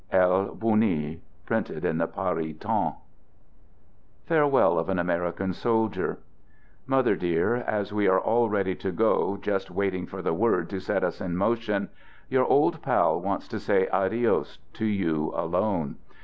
L. Bouny. — Printed in the Paris Temps. (Farewell of an American Soldier) Mother dear, as we are all ready to go, just wait ing for the word to set us in motion, your old pal wants to say adios to you alone.